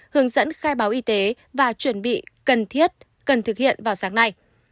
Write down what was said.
hướng dẫn khai báo y tế và chuẩn bị cần thiết cần thực hiện vào sáng nay